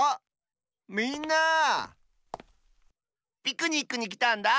ピクニックにきたんだ。